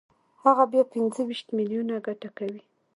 هغه بیا پنځه ویشت میلیونه ګټه کوي